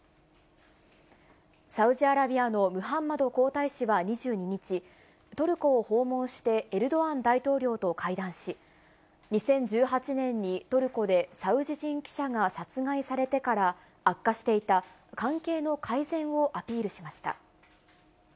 サウジアラビアのムハンマド皇太子は２２日、トルコを訪問してエルドアン大統領と会談し、２０１８年にトルコでサウジ人記者が殺害されてから悪化していた関係の改善をアピールしました。